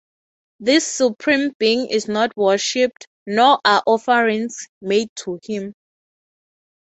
This supreme being is not worshiped, nor are offerings made to him.